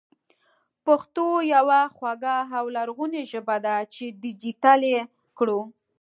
پښتو يوه خواږه او لرغونې ژبه ده چې ډېجېټل يې کړو